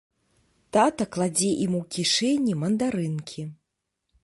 Тата кладзе ім у кішэні мандарынкі.